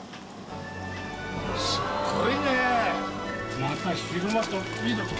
すっごいね！